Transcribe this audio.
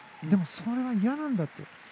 でもそれは嫌なんだと。